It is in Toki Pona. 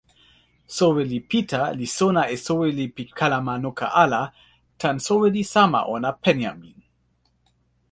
soweli Pita li sona e soweli pi kalama noka ala tan soweli sama ona Penjamin.